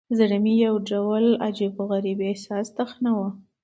زړه مې يو ډول عجيب، غريب احساس تخنوه.